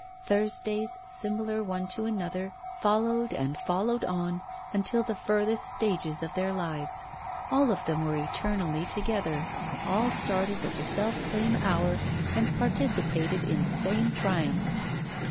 Thursdays similar one to another followed and followed on until the furthest stages of their lives. All of them were eternally together, all started at the self same hour, and participated in the same triumph!